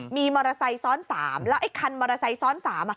มีมอเตอร์ไซค์ซ้อน๓แล้วไอ้คันมอเตอร์ไซค์ซ้อน๓